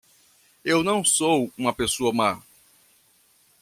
Eu não sou uma pessoa má